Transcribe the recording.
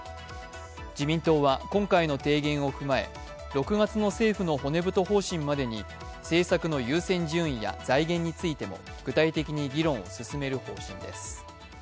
自民党は今回の提言を踏まえ、６月の政府の骨太方針までに政策の優先順位や財源についても具体的に議論を進める方針です。